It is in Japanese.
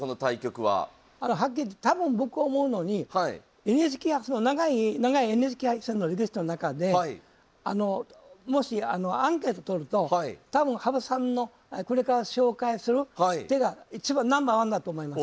はっきり言って多分僕思うのに長い長いＮＨＫ杯戦の歴史の中でもしアンケートとると多分羽生さんのこれから紹介する手が一番ナンバーワンだと思います。